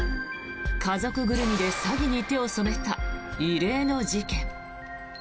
家族ぐるみで詐欺に手を染めた異例の事件。